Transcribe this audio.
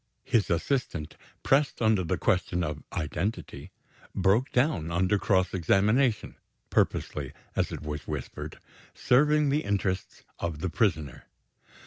His assistant, pressed on the question of identity, broke down under cross examination purposely, as it was whispered, serving the interests of the prisoner.